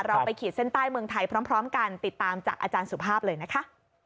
ไปขีดเส้นใต้เมืองไทยพร้อมกันติดตามจากอาจารย์สุภาพเลยนะคะ